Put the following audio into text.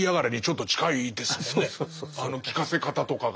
あの聞かせ方とかが。